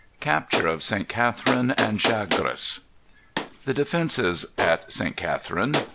Capture of St. Catherine and Chagres. The Defences at St. Catherine.